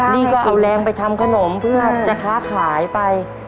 นี่ก็เอาแรงไปทำขนมเพื่อจะค้าขายไป